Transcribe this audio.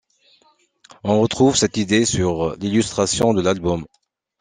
On retrouve cette idée sur l'illustration de l'album.